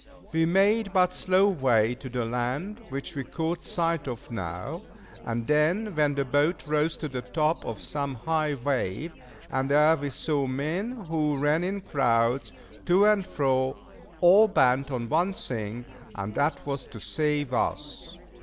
We made but slow way to the land, which we caught sight of now and then when the boat rose to the top of some high wave, and there we saw men who ran in crowds, to and fro, all bent on one thing, and that was to save us.